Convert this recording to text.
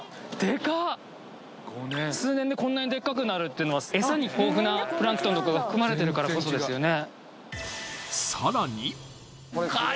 数年でこんなにでっかくなるってのはエサに豊富なプランクトンとかが含まれてるからこそですよね